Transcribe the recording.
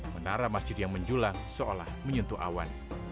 menara masjid yang menjulang seolah menyentuh awan